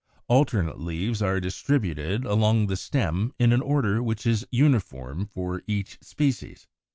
= Alternate leaves are distributed along the stem in an order which is uniform for each species.